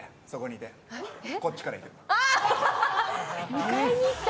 迎えに行った。